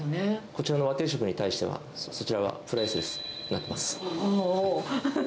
こちらの和定食に対しては、そちらはプライスレスになってます。